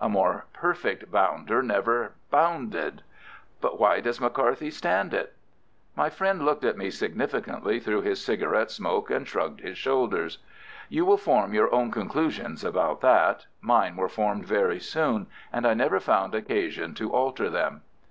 A more perfect bounder never bounded." "But why does McCarthy stand it?" My friend looked at me significantly through his cigarette smoke, and shrugged his shoulders. "You will form your own conclusions about that. Mine were formed very soon, and I never found occasion to alter them."